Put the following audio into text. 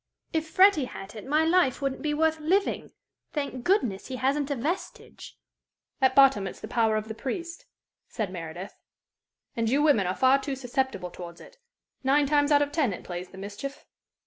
"If Freddie had it, my life wouldn't be worth living. Thank goodness, he hasn't a vestige!" "At bottom it's the power of the priest," said Meredith. "And you women are far too susceptible towards it. Nine times out of ten it plays the mischief."